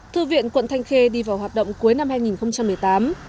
thư viện quận thanh khê đi vào hoạt động cuối năm hai nghìn một mươi tám